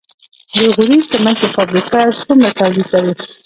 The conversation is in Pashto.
د غوري سمنټو فابریکه څومره تولید لري؟